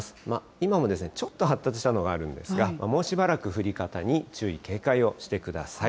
今もちょっと発達したのがあるんですが、もうしばらく降り方に注意、警戒をしてください。